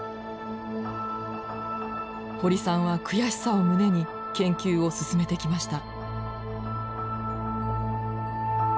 堀さんは悔しさを胸に研究を進めてきました。